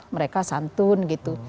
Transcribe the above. mereka santun gitu